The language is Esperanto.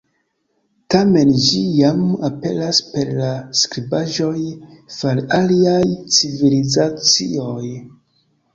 Tamen ĝi jam aperas per la skribaĵoj far aliaj civilizacioj.